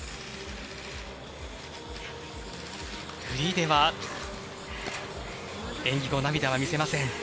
フリーでは演技後涙は見せません。